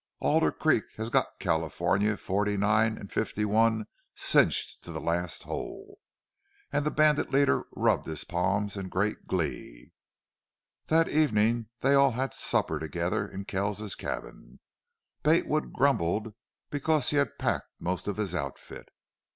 Alder Creek has got California's '49 and' '51 cinched to the last hole!" And the bandit leader rubbed his palms in great glee. That evening they all had supper together in Kell's cabin. Bate Wood grumbled because he had packed most of his outfit.